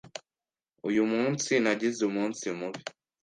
Uyu munsi nagize umunsi mubi.